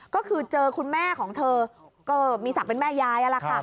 ก็คือเจอคุณแม่ของเธอก็มีสักเป็นแม่ยาย